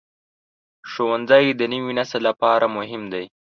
ښوونځی د نوي نسل لپاره مهم دی.